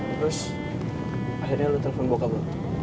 terus akhirnya lo telepon bokap lo